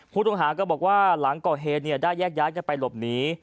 ผู้ต้องหาก็บอกว่าหลังก่อเหตุได้แยกย้ายกันไปหลบหนี